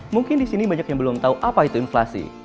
mungkin disini banyak yang belum tau apa itu inflasi